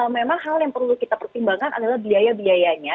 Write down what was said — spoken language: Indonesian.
memang hal yang perlu kita pertimbangkan adalah biaya biayanya